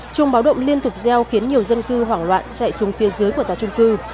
chuông báo động liên tục gieo khiến nhiều dân cư hoảng loạn chạy xuống phía dưới của tòa trung cư